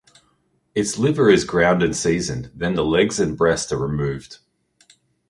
Its liver is ground and seasoned, then the legs and breast are removed.